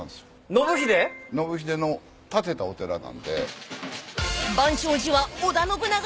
信秀の建てたお寺なんで。